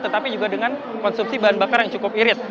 tetapi juga dengan konsumsi bahan bakar yang cukup irit